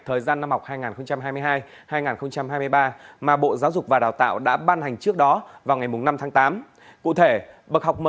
thời gian năm học hai nghìn hai mươi hai hai nghìn hai mươi ba